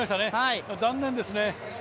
残念ですね